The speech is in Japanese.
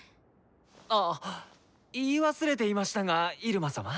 あっ言い忘れていましたが入間様。